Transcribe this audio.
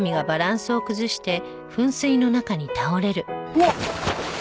うわっ！